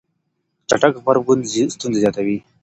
چټک غبرګون ستونزه زياتوي.